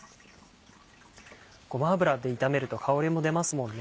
ごま油で炒めると香りも出ますもんね。